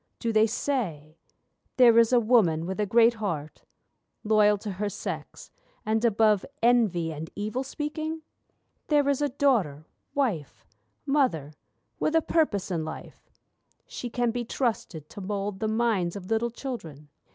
Do they say: 'There is a woman with a great heart, Loyal to her sex, and above envy and evil speaking? There is a daughter, wife, mother, with a purpose in life: She can be trusted to mould the minds of little children.